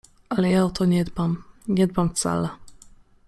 — Ale ja o to nie dbam… nie dbam wcale…